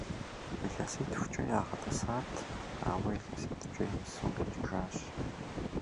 Илъэситхукӏэ ягъэтӏысат, ауэ илъэситӏкӏэ имысу къикӏыжащ.